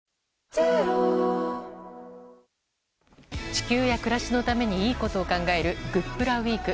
地球や暮らしのためにいいことを考えるグップラウィーク。